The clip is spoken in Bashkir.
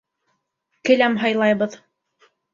Келәм һайлайбыҙ